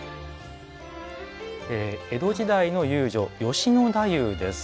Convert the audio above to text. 江戸時代の遊女、吉野太夫です。